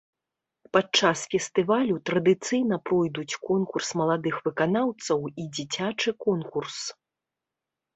Падчас фестывалю традыцыйна пройдуць конкурс маладых выканаўцаў і дзіцячы конкурс.